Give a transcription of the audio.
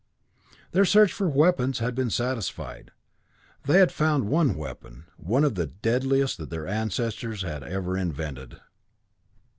Their search for weapons had been satisfied; they had found one weapon, one of the deadliest that their ancestors had ever invented.